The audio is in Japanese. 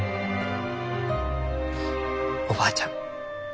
おばあちゃん